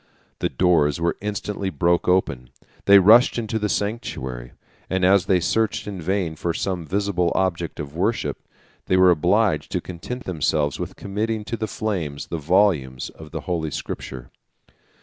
The doors were instantly broke open; they rushed into the sanctuary; and as they searched in vain for some visible object of worship, they were obliged to content themselves with committing to the flames the volumes of the holy Scripture.